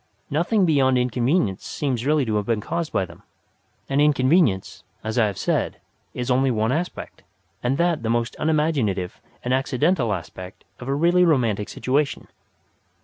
Nothing beyond inconvenience seems really to have been caused by them; and inconvenience, as I have said, is only one aspect, and that the most unimaginative and accidental aspect of a really romantic situation.